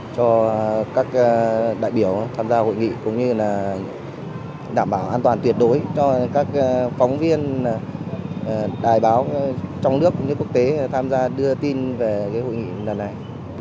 cho các đại biểu tham gia hội nghị cũng như là đảm bảo an toàn tuyệt đối cho các phóng viên đài báo trong nước cũng như quốc tế tham gia đưa tin về hội nghị lần này